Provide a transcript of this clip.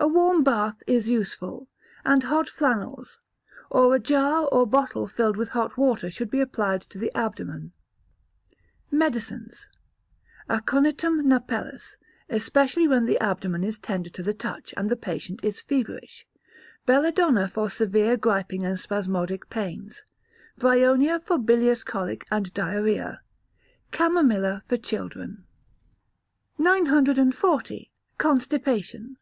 A warm bath is useful, and hot flannels, or a jar or bottle filled with hot water should be applied to the abdomen. Medicines. Aconitum napellus, especially when the abdomen is tender to the touch, and the patient is feverish; Belladonna for severe griping and spasmodic pains; Bryonia for bilious colic and diarrhoea; Chamomilla for children. 940. Constipation.